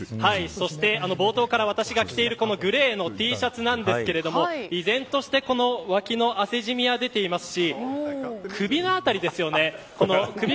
そして冒頭から私が着ているこのグレーのＴシャツなんですけれども依然として脇の汗ジミは出ていますし首のあたりですよね。